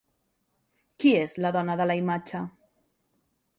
Qui és la dona de la imatge?